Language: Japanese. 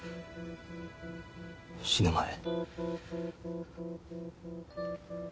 死ぬ前。